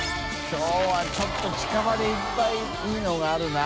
Δちょっと近場でいっぱいいいのがあるな。